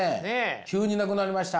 急になくなりました。